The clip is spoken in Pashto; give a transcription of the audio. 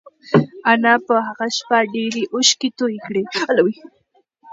انا په هغه شپه ډېرې اوښکې تویې کړې.